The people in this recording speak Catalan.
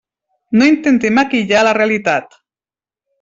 No intente maquillar la realitat.